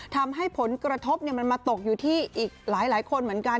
ทำให้ผลกระทบมันมาตกอยู่ที่อีกหลายคนเหมือนกัน